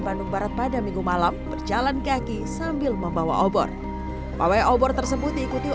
bandung barat pada minggu malam berjalan kaki sambil membawa obor pawai obor tersebut diikuti